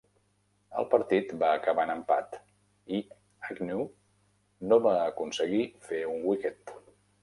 El partit va acabar en empat, i Agnew no va aconseguir fer un wicket.